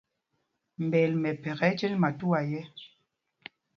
Mbɛel mɛmpek ɛ́ ɛ́ cěnj matuá yɛ̄.